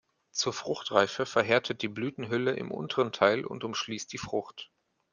Zur Fruchtreife verhärtet die Blütenhülle im unteren Teil und umschließt die Frucht.